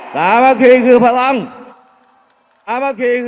อย่าให้ลุงตู่สู้คนเดียว